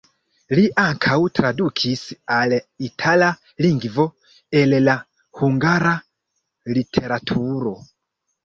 Li ankaŭ tradukis al itala lingvo el la hungara literaturo.